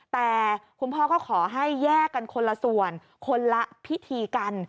แต่คุณพ่อก็ขอให้แยกกันคนละส่วนคนละพิธีกัน